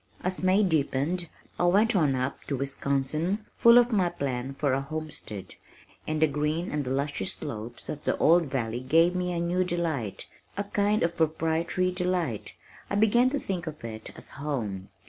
As May deepened I went on up to Wisconsin, full of my plan for a homestead, and the green and luscious slopes of the old valley gave me a new delight, a kind of proprietary delight. I began to think of it as home.